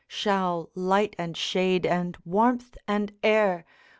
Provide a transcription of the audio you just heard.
'Shall light and shade, and warmth and air.